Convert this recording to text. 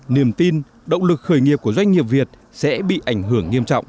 niềm tin động lực khởi nghiệp của doanh nghiệp việt sẽ bị ảnh hưởng nghiêm trọng